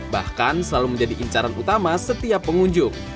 bahkan selalu menjadi incaran utama setiap pengunjung